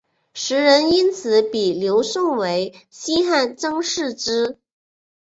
时人因此比刘颂为西汉张释之。